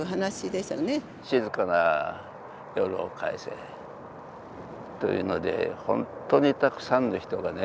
静かな夜を返せというので本当にたくさんの人がね